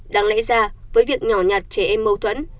đáng lẽ ra với việc nhỏ nhạt trẻ em mâu thuẫn